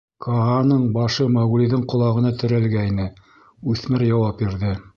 — Кааның башы Мауглиҙың ҡолағына терәлгәйне, үҫмер яуап бирҙе: